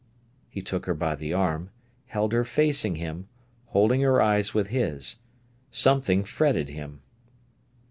He took her by the arm, held her facing him, holding her eyes with his. Something fretted him.